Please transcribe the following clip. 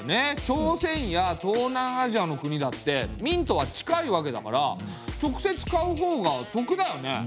朝鮮や東南アジアの国だって明とは近いわけだから直接買うほうが得だよね！